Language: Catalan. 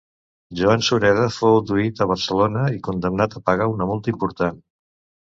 Joan Sureda fou duit a Barcelona i condemnat a pagar una multa important.